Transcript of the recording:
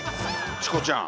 チコちゃん！